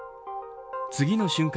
次の瞬間